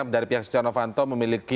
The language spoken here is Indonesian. dari pihak setia novanto memiliki